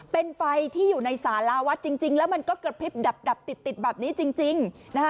เป็นไฟที่อยู่ในสาราวัดจริงแล้วมันก็กระพริบดับติดแบบนี้จริงนะคะ